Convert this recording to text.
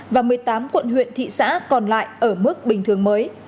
và một mươi tám quận huyện thị xã còn lại ở mức bình thường mới